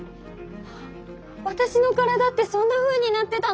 わたしの体ってそんなふうになってたの！？